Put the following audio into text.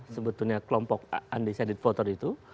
sebetulnya kelompok undecided voter itu